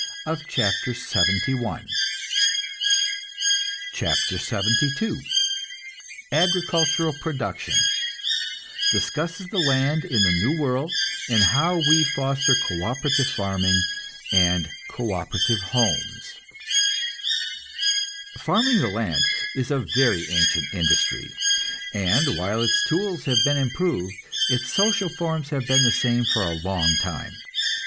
CHAPTER LXXII AGRICULTURAL PRODUCTION (Discusses the land in the new world, and how we foster co operative farming and co operative homes.) Farming the land is a very ancient industry, and while its tools have been improved, its social forms have been the same for a long time.